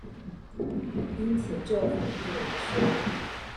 因此就防疫來說